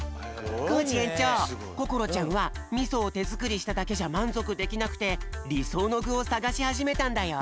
コージえんちょうこころちゃんはみそをてづくりしただけじゃまんぞくできなくてりそうのぐをさがしはじめたんだよ。